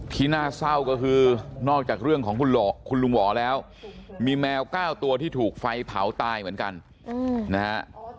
ที่น่าเศร้าก็คือนอกจากเรื่องของคุณลุงหวอแล้วมีแมว๙ตัวที่ถูกไฟเผาตายเหมือนกันนะฮะ